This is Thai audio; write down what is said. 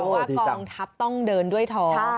เพราะว่ากองทัศน์ต้องเดินด้วยท้อง